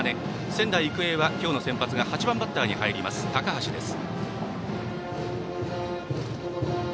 仙台育英は、今日の先発が８番バッターに入る高橋です。